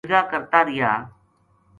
جِرگہ کرتا رہیا